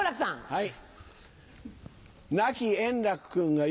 はい。